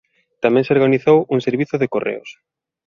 Tamén se organizou un servizo de Correos.